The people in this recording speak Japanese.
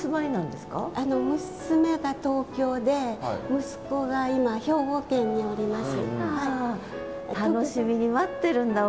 娘が東京で息子が今兵庫県におります。